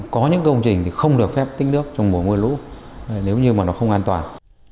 có những công trình thì không được phép tích nước trong mùa mưa lũ nếu như mà nó không an toàn